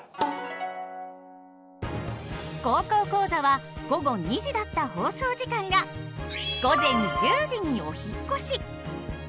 「高校講座」は午後２時だった放送時間が午前１０時にお引っ越し。